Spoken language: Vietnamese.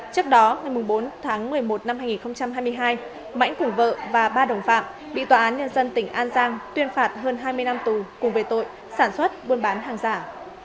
trước đó ngày bốn tháng một mươi một năm hai nghìn hai mươi hai mãnh cùng vợ và ba đồng phạm bị tòa án nhân dân tỉnh an giang tuyên phạt hơn hai mươi năm tù cùng về tội sản xuất buôn bán hàng giả